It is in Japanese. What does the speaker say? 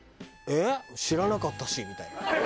「えっ知らなかったし」みたいな。